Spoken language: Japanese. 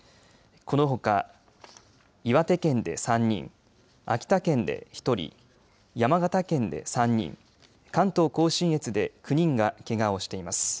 このほか岩手県で３人、秋田県で１人、山形県で３人、関東甲信越で９人がけがをしています。